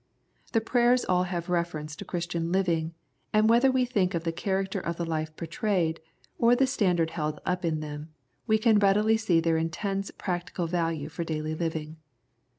The prayers all have reference to Christian living, and whether we think of the character of the life portrayed, or the standard held up in them, we can readily see their intense practical value for daily living.